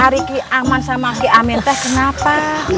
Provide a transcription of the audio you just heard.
ini kiaman dan kiamin kenapa